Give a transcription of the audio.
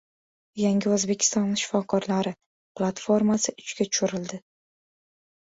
“Yangi O‘zbekiston shifokorlari” platformasi ishga tushirildi